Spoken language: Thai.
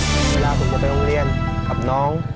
เวลาผมจะไปโรงเรียนกับน้อง